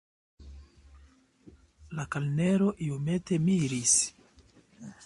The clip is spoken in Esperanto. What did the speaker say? La kelnero iomete miris.